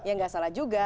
ya enggak salah juga